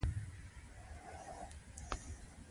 د انفلاسیون اغیزې باید وپیژنو.